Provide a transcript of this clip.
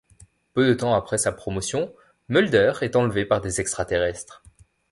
Peu de temps après sa promotion, Mulder est enlevé par des extraterrestres.